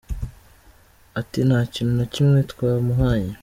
Ati “Nta kintu na kimwe twamuhaye….